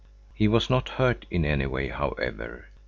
He was not hurt in any way, however.